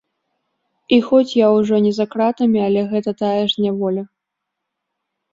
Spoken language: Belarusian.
І хоць я ўжо не за кратамі, але гэта тая ж няволя.